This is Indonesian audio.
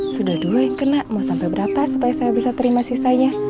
sudah dua yang kena mau sampai berapa supaya saya bisa terima sisanya